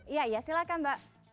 iya silakan mbak